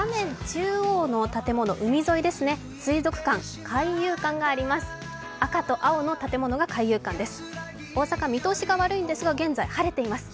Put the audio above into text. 中央の建物、海沿いですね、水族館、海遊館があります。